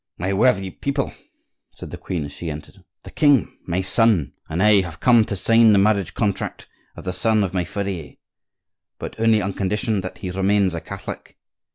"My worthy people," said the queen as she entered, "the king, my son, and I have come to sign the marriage contract of the son of my furrier,—but only on condition that he remains a Catholic.